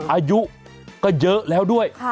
อายุก็เยอะแล้วด้วย